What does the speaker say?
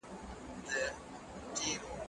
زه سفر نه کوم؟